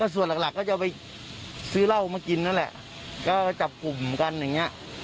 ส่วนหลักก็จะไปซื้อเหล้ามากินนั่นแหละก็จับกลุ่มกันอย่างนี้